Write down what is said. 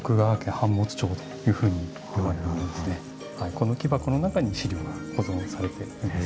この木箱の中に資料が保存されています。